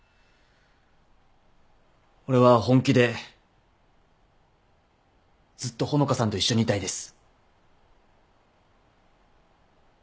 俺は本気でずっと穂香さんと一緒にいたいです。